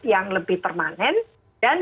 yang lebih permanen dan